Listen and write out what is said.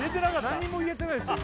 何にも言えてないですよ